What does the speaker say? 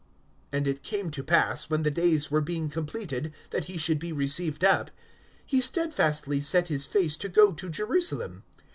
(51)And it came to pass, when the days were being completed that he should be received up, he steadfastly set his face to go to Jerusalem.